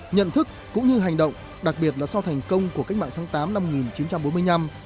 nhận thức cũng như hành động đặc biệt là sau thành công của cách mạng tháng tám năm một nghìn chín trăm bốn mươi năm